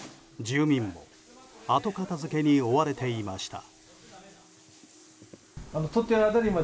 住民も後片付けに追われていました。